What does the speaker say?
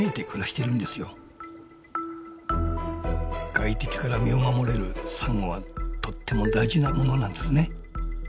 外敵から身を守れるサンゴはとっても大事なものなんですね。